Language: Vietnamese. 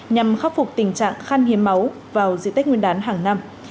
nhằm khắc phục tình trạng khăn hiến máu vào diện tích nguyên đán hàng năm